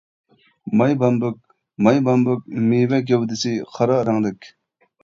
ماي بامبۇك-ماي بامبۇك مېۋە گەۋدىسى قارا رەڭلىك.